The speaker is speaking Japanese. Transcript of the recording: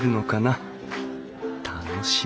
楽しみ